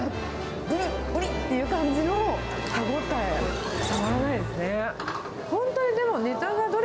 ぶりっぶりっという感じの歯ごたえ、たまらないですね。